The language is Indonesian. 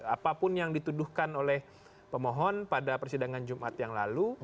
apapun yang dituduhkan oleh pemohon pada persidangan jumat yang lalu